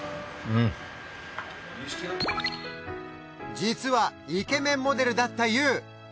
実はイケメンモデルだったＹＯＵ。